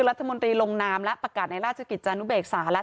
รัฐมนตรีลงนามและประกาศในราชกิจจานุเบกษาแล้ว